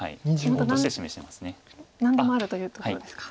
何でもあるというところですか。